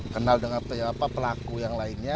kenal dengan pelaku yang lainnya